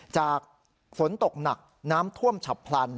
จากฝนตกหนักน้ำท่วมฉับพลัน